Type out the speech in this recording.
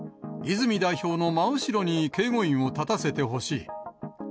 泉代表の真後ろに警護員を立たせてほしい。